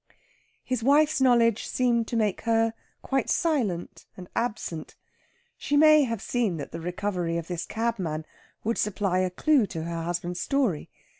His wife's knowledge seemed to make her quite silent and absent. She may have seen that the recovery of this cabman would supply a clue to her husband's story.